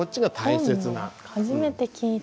初めて聞いた。